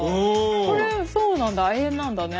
これそうなんだ亜鉛なんだね。